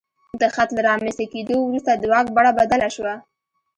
د خط له رامنځته کېدو وروسته د واک بڼه بدله شوه.